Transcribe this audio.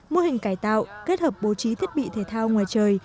mô hình cải tạo kết hợp bố trí thiết bị thể thao ngoài trời